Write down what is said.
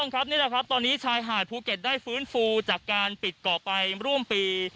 ครับนี่แหละครับตอนนี้ชายหาดภูเก็ตได้ฟื้นฟูจากการปิดเกาะไปร่วมปี